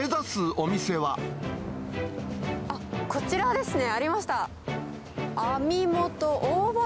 あっ、こちらですね、ありました。